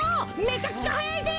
めちゃくちゃはやいぜ。